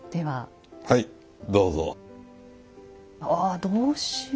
はいどうぞ。